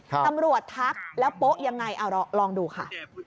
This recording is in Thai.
ทักแล้วโป๊ะยังไงเอาลองดูค่ะ